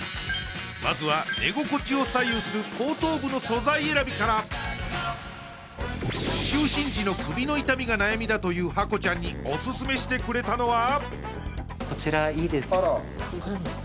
まずは寝心地を左右する後頭部の素材選びから就寝時の首の痛みが悩みだというハコちゃんにおすすめしてくれたのは？